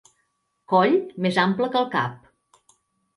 Coll més ample que el cap.